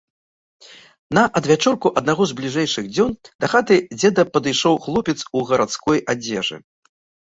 На адвячорку аднаго з бліжэйшых дзён да хаты дзеда падышоў хлопец у гарадской адзежы.